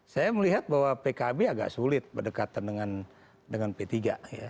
saya melihat bahwa pkb agak sulit berdekatan dengan p tiga